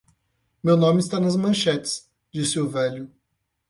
"Meu nome está nas manchetes”, disse o velho.